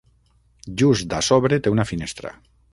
Just a sobre té una finestra.